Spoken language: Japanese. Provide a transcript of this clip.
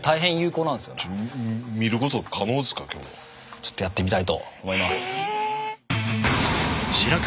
ちょっとやってみたいと思います。